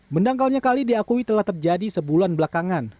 mendangkalnya kali diakui telah terjadi sebulan belakangan